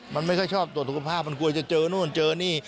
มันไม่ค่อยชอบตรวจสุขภาพมันกลัวจะเจอนู่นเจอนี่